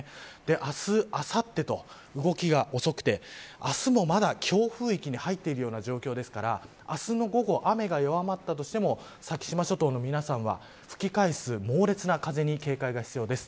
明日、あさってと動きが遅くて明日もまだ強風域に入っているような状況ですから明日の午後雨が弱まったとしても先島諸島の皆さんは吹き返す猛烈な風に警戒が必要です。